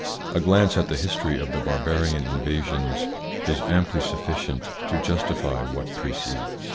A glance at the history of the barbarian invasions is amply sufficient to justify what precedes.